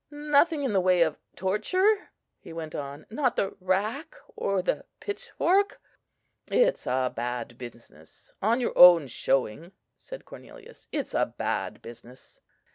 "Nothing in the way of torture?" he went on; "not the rack, or the pitchfork?" "It's a bad business, on your own showing," said Cornelius: "it's a bad business!"